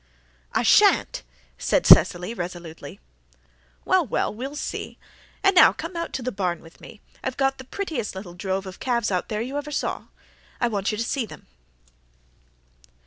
"I sha'n't," said Cecily resolutely. "Well, we'll see. And now come out to the barn with me. I've got the prettiest little drove of calves out there you ever saw. I want you to see them."